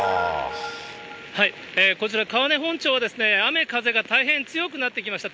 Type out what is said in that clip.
こちら、川根本町は雨風が大変強くなってきました。